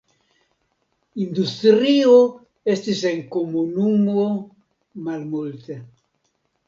Industrio estis en komunumo malmulte.